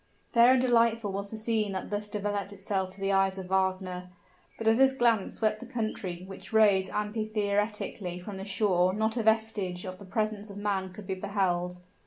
Fair and delightful was the scene that thus developed itself to the eyes of Wagner; but as his glance swept the country which rose amphitheatrically from the shore not a vestige of the presence of man could be beheld.